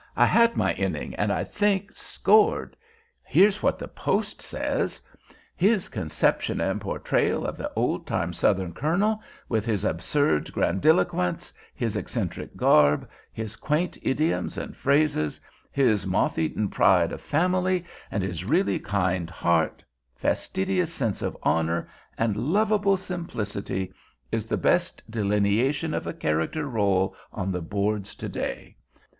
"I had my inning, and, I think, scored. Here's what The Post says: "'His conception and portrayal of the old time Southern colonel, with his absurd grandiloquence, his eccentric garb, his quaint idioms and phrases, his motheaten pride of family, and his really kind heart, fastidious sense of honor, and lovable simplicity, is the best delineation of a character role on the boards to day.